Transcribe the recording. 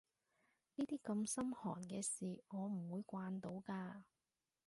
呢啲咁心寒嘅事我唔會慣到㗎